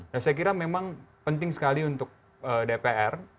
nah saya kira memang penting sekali untuk dpr